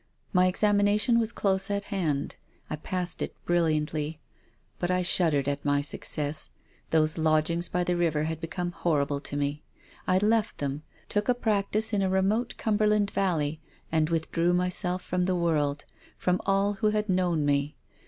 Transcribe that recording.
My examination was close at hand. I passed it brilliantly. But I shuddered at my success. Those lodgings by the river had become horrible to me. I left them, took a practice in a remote Cumberland valley, and withdrew myself from the world, from all who had known me.